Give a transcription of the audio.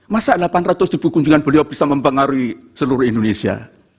masa delapan ratus ribu kunjungan beliau bisa mempengaruhi seluruh indonesia